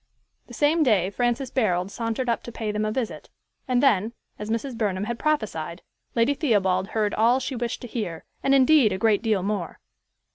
The same day Francis Barold sauntered up to pay them a visit; and then, as Mrs. Burnham had prophesied, Lady Theobald heard all she wished to hear, and, indeed, a great deal more.